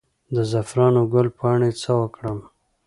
د زعفرانو ګل پاڼې څه وکړم؟